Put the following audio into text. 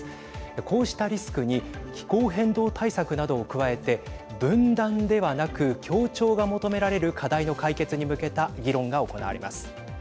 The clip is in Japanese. こうしたリスクに気候変動対策などを加えて分断ではなく協調が求められる課題の解決に向けた議論が行われます。